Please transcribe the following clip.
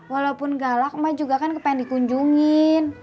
walaupun galak emak juga kan kepengen dikunjungin